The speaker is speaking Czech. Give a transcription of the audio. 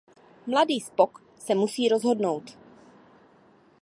Mladý Spock se musí rozhodnout.